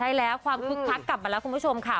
ใช่แล้วความคึกคักกลับมาแล้วคุณผู้ชมค่ะ